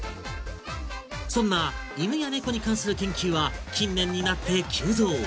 そんな犬や猫に関する研究は近年になって急増！